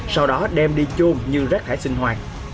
sau đó đem đi chu như rác thải sinh hoạt